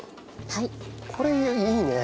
これいいね。